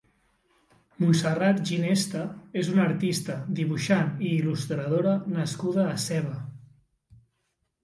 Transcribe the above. Montserrat Ginesta és una artista, dibuixant i il·lustradora nascuda a Seva.